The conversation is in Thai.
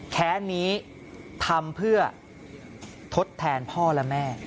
แค้นนี้ทำเพื่อทดแทนพ่อและแม่